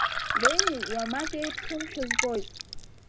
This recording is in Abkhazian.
Ленеи уамак еиԥшымшәа збоит.